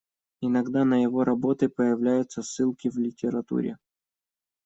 Иногда на его работы появляются ссылки в литературе.